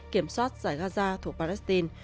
kiểm soát giải gaza thuộc palestine